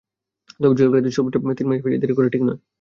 তবে চুল কাটাতে সর্বোচ্চ তিন মাসের বেশি দেরি করা ঠিক নয়।